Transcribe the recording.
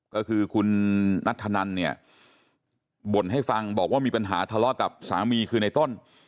ก็คือคุณนัทธนันเนี่ยบ่นให้ฟังบอกว่ามีปัญหาทะเลาะกับสามีคือในต้น